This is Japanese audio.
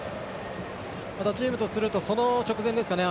また、チームとするとその直前ですかね。